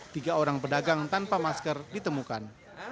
tiga orang pedagang tanpa masker ditemukan